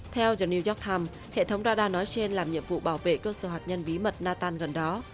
theo the new york times hệ thống radar nói trên làm nhiệm vụ bảo vệ cơ sở hạt nhân bí mật natan gần đó